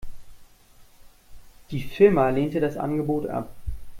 Die Firma lehnte das Angebot ab.